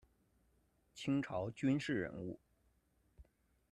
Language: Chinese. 清朝军事人物。